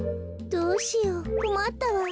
どうしようこまったわ。